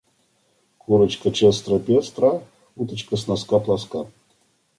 Курочка честра-пестра, уточка с носка плоска.